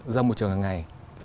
ra môi trường hàng ngày